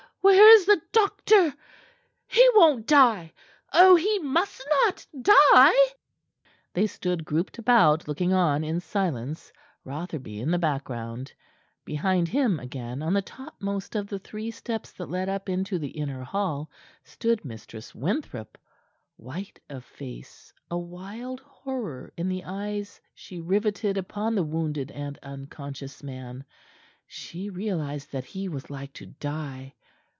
Where is the doctor? He won't die! Oh, he must not die!" They stood grouped about, looking on in silence, Rotherby in the background. Behind him again, on the topmost of the three steps that led up into the inner hall, stood Mistress Winthrop, white of face, a wild horror in the eyes she riveted upon the wounded and unconscious man. She realized that he was like to die.